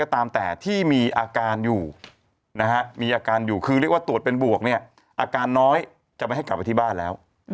ที่มีอาการอยู่คือเรียกว่าตรวจเป็นบวกอาการน้อยจะไม่ให้กลับไปที่บ้านแล้ว